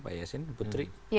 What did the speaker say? pak yasin putri